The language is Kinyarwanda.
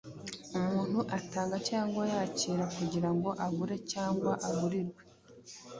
umuntu atanga cyangwa yakira kugira ngo agure cyangwa agurirwe